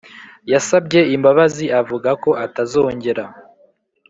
yasabye imbabazi avuga ko atazongera